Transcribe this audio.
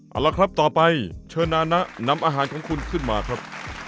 เอาละครับต่อไปเชิญอาณะนำอาหารของคุณขึ้นมาครับ